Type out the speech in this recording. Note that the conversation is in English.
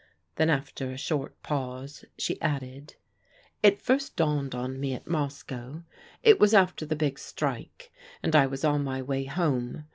Then after a short pause she added: "It first dawned on me at Moscow. It was after the big strike, and I was on my way home.